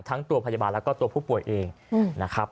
ทั้งตัวพยาบาลแล้วก็ตัวผู้ป่วยเองนะครับ